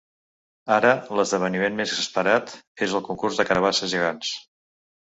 Ara, l’esdeveniment més esperat és el concurs de carabasses gegants.